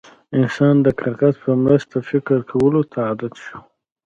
انسان د کاغذ په مرسته فکر کولو ته عادت شو.